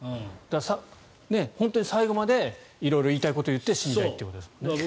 本当に最後まで色々言いたいことを言って死にたいということですから。